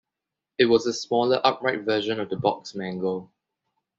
It was a smaller, upright version of the box mangle.